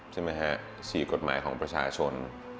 สี่กฎหมายของประชาชน